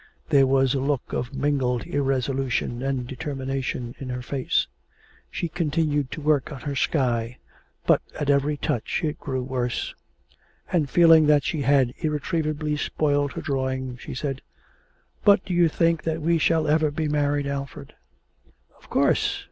There was a look of mingled irresolution and determination in her face. She continued to work on her sky; but at every touch it grew worse, and, feeling that she had irretrievably spoilt her drawing, she said: 'But do you think that we shall ever be married, Alfred?' 'Of course.